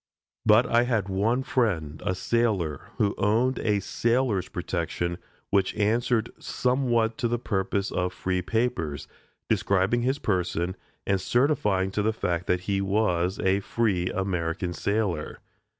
But I had one friend a sailor who owned a sailor's protection, which answered somewhat the purpose of free papers describing his person, and certifying to the fact that he was a free American sailor.